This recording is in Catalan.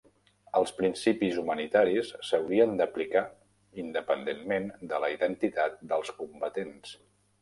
Els principis humanitaris s'haurien d'aplicar independentment de la identitat dels combatents.